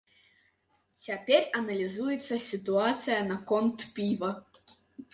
Цяпер аналізуецца сітуацыя наконт піва.